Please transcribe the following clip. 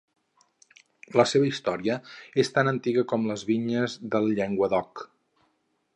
La seva història és tan antiga com la dels vinyers del Llenguadoc.